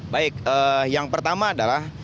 baik yang pertama adalah